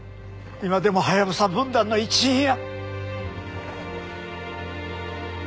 今でもハヤブサ分団の一員や。